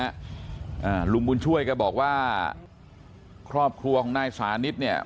อ่าลุงบุญช่วยแกบอกว่าครอบครัวของนายสานิทเนี่ย